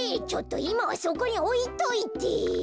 ちょっといまはそこにおいといて。